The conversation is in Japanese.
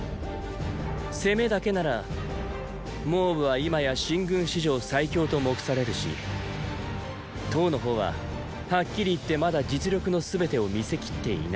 攻めだけなら蒙武は今や秦軍史上最強と目されるし騰の方ははっきり言ってまだ実力の全てを見せきっていない。